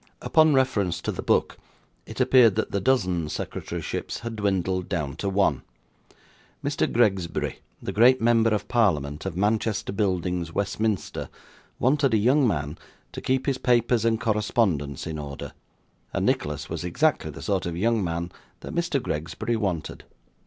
Upon reference to the book, it appeared that the dozen secretaryships had dwindled down to one. Mr. Gregsbury, the great member of parliament, of Manchester Buildings, Westminster, wanted a young man, to keep his papers and correspondence in order; and Nicholas was exactly the sort of young man that Mr. Gregsbury wanted.